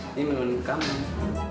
ini memang ini